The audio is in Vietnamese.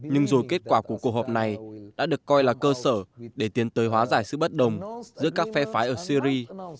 nhưng dù kết quả của cuộc họp này đã được coi là cơ sở để tiến tới hóa giải sự bất đồng giữa các phe phái ở syri